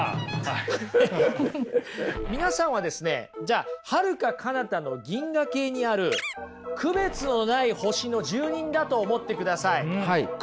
皆さんはですねじゃあはるか彼方の銀河系にある区別のない星の住民だと思ってください。